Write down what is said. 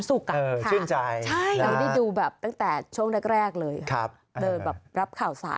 มงไทยอย่างจะมีคนดีอยู่เยอะครับ